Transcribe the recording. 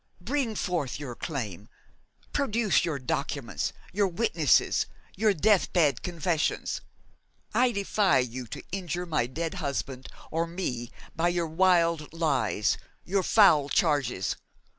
'Bring forward your claim, produce your documents, your witnesses, your death bed confessions. I defy you to injure my dead husband or me by your wild lies, your foul charges!